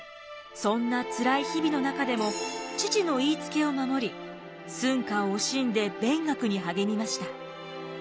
そんな辛い日々の中でも父の言いつけを守り寸暇を惜しんで勉学に励みました。